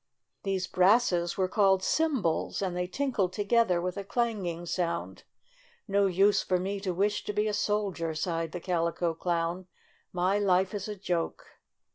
These brasses were called "cymbals," and they tinkled together with a clanging sound. "No use for me to wish to be a soldier," sighed the Calico Clown. "My life is a joke!"